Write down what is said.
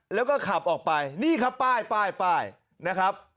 แล้วก็ขับออกไปนี่ครับป้ายป้ายนะครับ